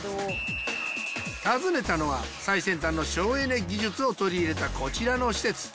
訪ねたのは最先端の省エネ技術を取り入れたこちらの施設。